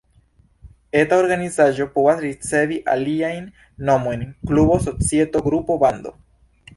Eta organizaĵo povas ricevi aliajn nomojn: klubo, societo, grupo, bando.